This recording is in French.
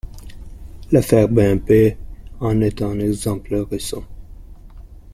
L’affaire BNP en est un exemple récent.